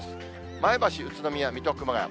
前橋、宇都宮、水戸、熊谷。